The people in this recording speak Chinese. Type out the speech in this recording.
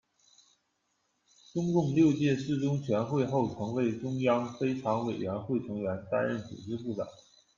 中共六届四中全会后曾为中央非常委员会成员，担任组织部长。